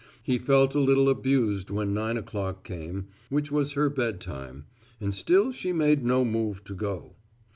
He felt a little abused when nine o'clock came, which was her bed time, and still she made no move to go.